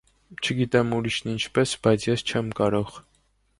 - Չգիտեմ ուրիշն ինչպես, բայց ես չեմ կարող: